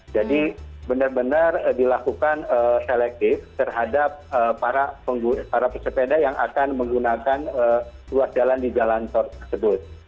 jadi benar benar dilakukan selektif terhadap para pesepeda yang akan menggunakan ruas jalan di jalan tol tersebut